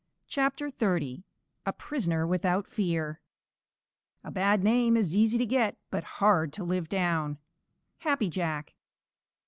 CHAPTER XXX A PRISONER WITHOUT FEAR A bad name is easy to get but hard to live down. _Happy Jack.